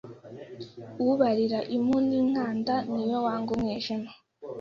ubarira impu n'inkanda, ni we wanga umwijima